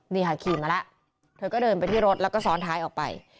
นี่ค่ะขี่มาแล้วเธอก็เดินไปที่รถแล้วก็ซ้อนท้ายออกไป